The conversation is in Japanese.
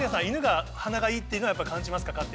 犬が鼻がいいっていうのは感じますか？